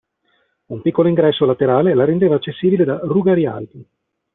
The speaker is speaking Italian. Un piccolo ingresso laterale la rendeva accessibile da ruga Rialto.